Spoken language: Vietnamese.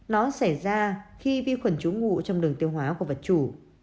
nó xảy ra khi vi khuẩn trú ngụ trong đường tiêu hóa của vật chủ